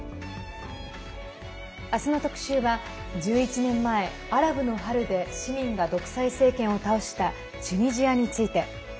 明日の特集は１１年前、アラブの春で市民が独裁政権を倒したチュニジアについて。